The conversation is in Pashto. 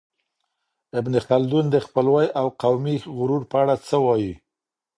ابن خلدون د خپلوۍ او قومي غرور په اړه څه وايي؟